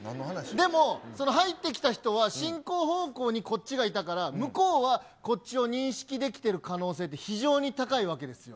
でもその入ってきた人は進行方向にこっちがいたから、向こうは、こっちを認識できてる可能性って、非常に高いわけですよ。